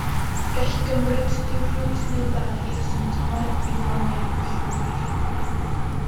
Gall gymryd diwrnod neu ddau i'r symptomau ddiflannu'n llwyr.